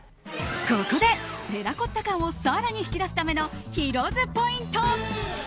ここでテラコッタ感を更に引き出すためのヒロ’ｓポイント。